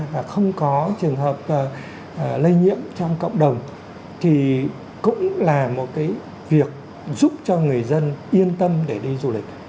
và không có trường hợp lây nhiễm trong cộng đồng thì cũng là một cái việc giúp cho người dân yên tâm để đi du lịch